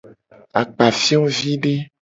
Akpafiovide.